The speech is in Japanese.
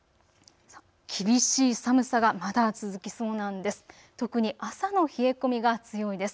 厳しい寒さがまだ続きそうなんんです。